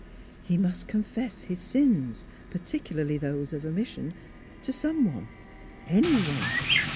He must confess bis sins particu larly those of omission to some one, any one.